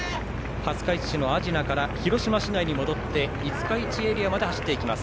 廿日市市の阿品から広島市内に戻って五日市エリアまで行きます。